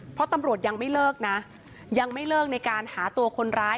เพราะตำรวจยังไม่เลิกนะยังไม่เลิกในการหาตัวคนร้าย